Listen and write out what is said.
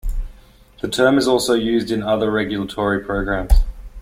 The term is also used in other regulatory programs.